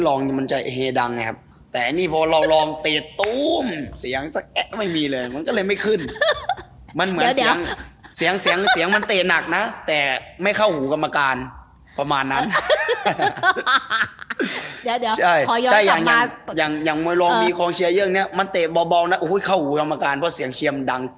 ก็จะขาดเหมือนมีดนตรีแต่ขาดคนเต้นแบบนี้